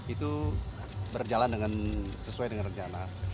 itu berjalan sesuai dengan rencana